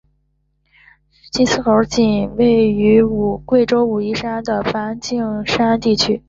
黔金丝猴仅分布在贵州武陵山的梵净山地区。